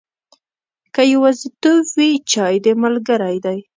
که یوازیتوب وي، چای دې ملګری دی.